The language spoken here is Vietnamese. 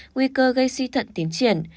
nguy cơ gây suy thận tiến triển